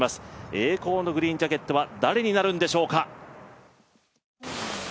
栄光のグリーンジャケットは誰になるんでしょうか。